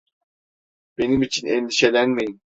Benim için endişelenmeyin.